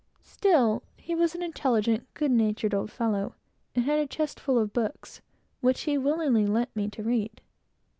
Still, he was an intelligent, good natured old fellow, and had a chest full of books, which he willingly lent me to read.